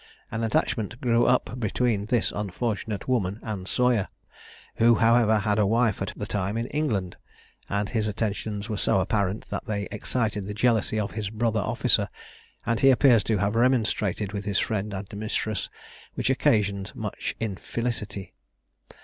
An attachment grew up between this unfortunate woman and Sawyer, who, however, had a wife at the time in England; and his attentions were so apparent, that they excited the jealousy of his brother officer, and he appears to have remonstrated with his friend and mistress, which occasioned much infelicity.